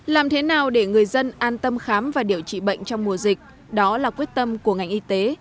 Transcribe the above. làm thế nào để người dân an tâm khám và điều trị bệnh trong mùa dịch đó là quyết tâm của ngành y tế